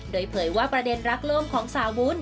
โดยเผยว่าประเด็นรักโล่มของสาววุ้น